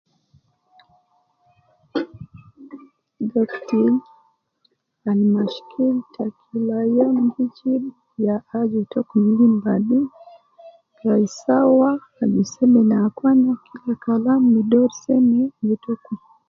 Dokti, an mashkil ta kila youm g jib, ya aju tokum lim badum, gai sawa, aju seme ne akwana, kila kalam bi doru seme ne tokum